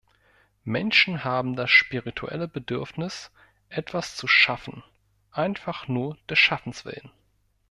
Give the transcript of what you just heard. Menschen haben das spirituelle Bedürfnis, etwas zu schaffen, einfach nur des Schaffens willen.